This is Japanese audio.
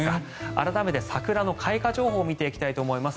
改めて桜の開花情報を見ていきたいと思います。